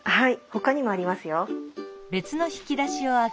ほかにもありますよ。